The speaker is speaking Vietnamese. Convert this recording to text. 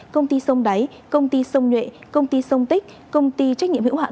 công ty sông đáy công ty sông nhuệ công ty sông tích công ty trách nhiệm hiệu hạn